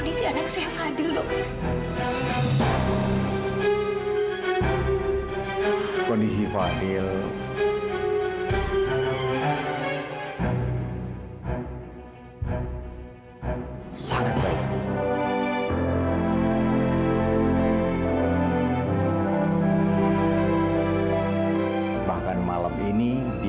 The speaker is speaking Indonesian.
terima kasih dokter terima kasih